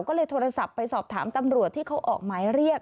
ก็เลยโทรศัพท์ไปสอบถามตำรวจที่เขาออกหมายเรียก